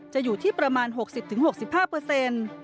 อยู่ที่ประมาณ๖๐๖๕เปอร์เซ็นต์